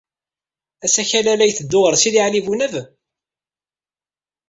Asakal-a la yetteddu ɣer Sidi Ɛli Bunab?